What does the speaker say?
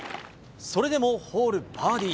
それでもホール、バーディー。